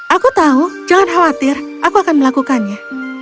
aku tahu jangan khawatir aku akan melakukannya